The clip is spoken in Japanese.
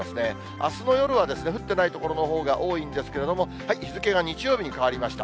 あすの夜は降ってない所のほうが多いんですけれども、日付が日曜日に変わりました。